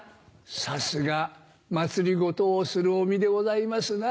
さすが政をするお身でございますな。